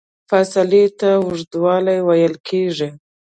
فاصلې ته اوږدوالی ویل کېږي.